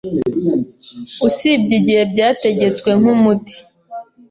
usibye igihe byategetswe nk’umuti.